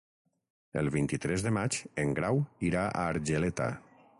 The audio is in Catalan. El vint-i-tres de maig en Grau irà a Argeleta.